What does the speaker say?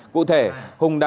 cụ thể hùng đã